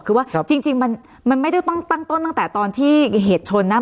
คือว่าจริงมันไม่ได้ต้องตั้งต้นตั้งแต่ตอนที่เหตุชนนะ